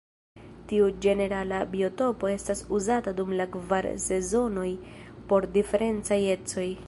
Tiu ĝenerala biotopo estas uzata dum la kvar sezonoj por diferencaj ecoj.